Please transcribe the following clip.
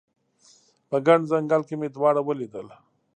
په ګڼ ځنګل کې مې دواړه ولیدل